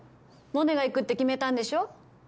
萌音が行くって決めたんでしょ。